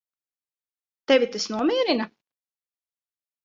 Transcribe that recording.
Tevi tas nomierina?